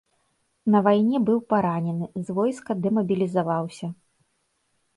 На вайне быў паранены, з войска дэмабілізаваўся.